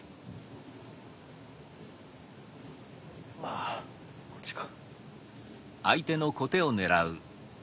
あこっちか。